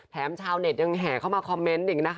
แถมชาวเน็ตยังแห่เข้ามาคอมเมนต์